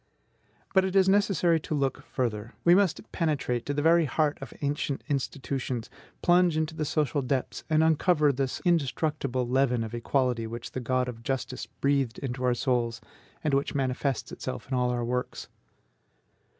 But it is necessary to look further. We must penetrate to the very heart of ancient institutions, plunge into the social depths, and uncover this indestructible leaven of equality which the God of justice breathed into our souls, and which manifests itself in all our works.